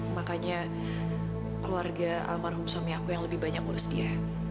makanya keluarga almarhum suami aku yang lebih banyak ngurus dia